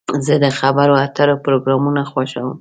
زه د خبرو اترو پروګرامونه خوښوم.